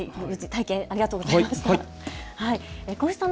体験、ありがとうございました。